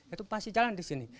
itu pasti jalan di sini